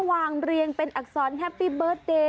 วางเรียงเป็นอักษรแฮปปี้เบิร์ตเดย์